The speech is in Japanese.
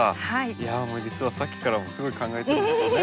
いやあもう実はさっきからすごい考えてるんですね。